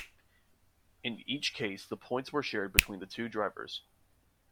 In each case the points were shared between the two drivers.